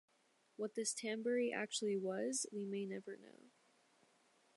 What this tambouri actually was we may never know.